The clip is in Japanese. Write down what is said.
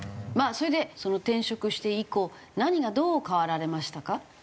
それで転職して以降何がどう変わられましたか？